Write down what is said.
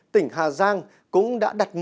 tỉnh hà giang cũng đã đặt nhuộm